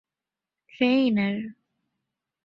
ޓްރެއިނަރ